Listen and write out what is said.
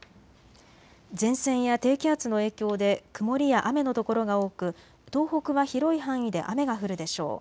前線や低気圧の影響で曇りや雨の所が多く東北は広い範囲で雨が降るでしょう。